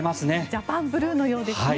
ジャパンブルーのようですね。